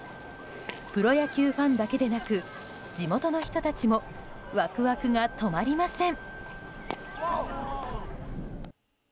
プロ野球ファンだけでなく地元の人たちもワクワクが止まりません。